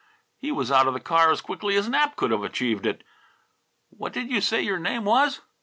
He was out of the car as quickly as Nap could have achieved it. "What did you say your name was?"